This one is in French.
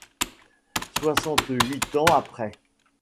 Soixante-huit ans après.